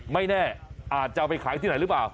ไม่แน่อาจจะเอาไปขายที่ไหนหรือเปล่า